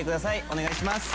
お願いします。